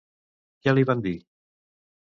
Què li van dir?